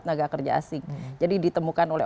tenaga kerja asing jadi ditemukan oleh